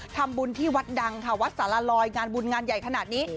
ทำบุญที่วัดดังค่ะวัดสารลอยงานบุญงานใหญ่ขนาดนี้